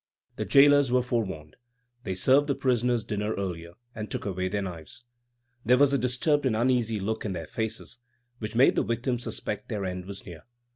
The jailors were forewarned. They served the prisoners' dinner earlier, and took away their knives. There was a disturbed and uneasy look in their faces which made the victims suspect their end was near.